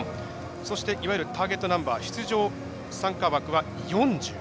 そして、いわゆるターゲットナンバー出場参加枠は４０。